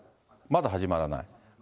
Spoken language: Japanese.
まだ始まらない？